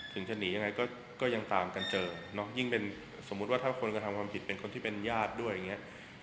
ถึงจะหนียังไงก็ยังตามกันเจอเนาะยิ่งเป็นสมมุติว่าถ้าคนกระทำความผิดเป็นคนที่เป็นญาติด้วยอย่างนี้